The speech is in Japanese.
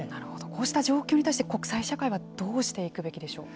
こうした状況に対して国際社会はどうしていくべきでしょう。